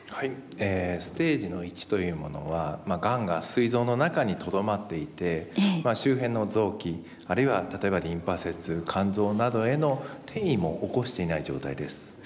ステージの１というものはがんがすい臓の中にとどまっていて周辺の臓器あるいは例えばリンパ節肝臓などへの転移も起こしていない状態です。